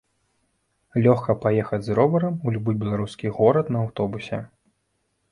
Лёгка паехаць з роварам у любы беларускі горад на аўтобусе.